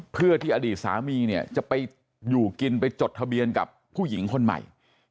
เพื่อที่อดีตสามีเนี่ยจะไปอยู่กินไปจดทะเบียนกับผู้หญิงคนใหม่